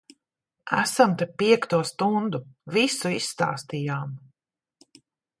Esam te piekto stundu. Visu izstāstījām.